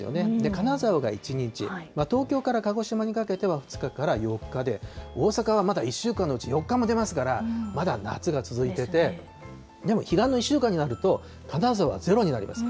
金沢が１日、東京から鹿児島にかけては２日から４日で、大阪はまだ１週間のうち４日も出ますから、まだ夏が続いてて、でも彼岸の１週間になると、金沢ゼロになります。